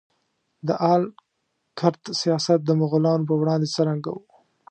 د آل کرت سیاست د مغولانو په وړاندې څرنګه و؟